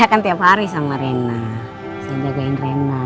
saya kan tiap hari sama reina saya jagain reina